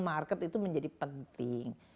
market itu menjadi penting